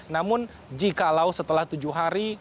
namun jikalau setelah tujuh hari